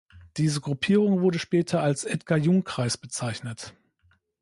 Diese Gruppierung wurde später als Edgar-Jung-Kreis bezeichnet.